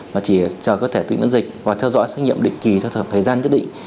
mà chỉ chờ cơ thể tự miễn dịch và theo dõi xét nghiệm định kỳ theo thời gian nhất định